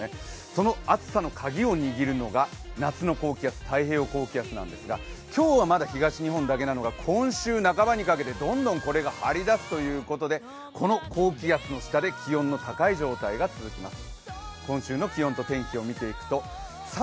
その暑さのカギを握るのが夏の高気圧太平洋高気圧なんですが、今日はまだ東日本だけなのが今週半ばにかけてどんどんこれが張り出すといことで、この高気圧の下で気温の高い状態が続きます。